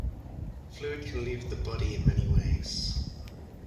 Fluid can leave the body in many ways.